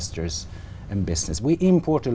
trong những năm qua